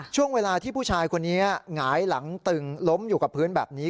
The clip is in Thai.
ช่วงเวลาที่ผู้ชายคนนี้หงายหลังตึงล้มอยู่กับพื้นแบบนี้